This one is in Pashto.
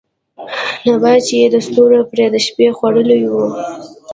نبات چې يې د ستورو پرې د شپې خـوړلې وو